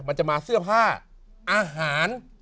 มันจะมาเสื้อผ้าอาหาร